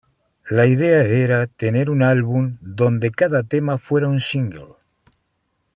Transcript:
La idea era tener un álbum donde cada tema fuera un single.